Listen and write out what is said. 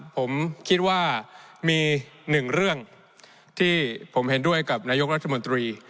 ผมคิดว่ามีหนึ่งเรื่องที่ผมเห็นด้วยกับนายกรัฐมนตรี